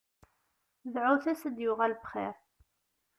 Dɛut-as ad d-yuɣal bxir.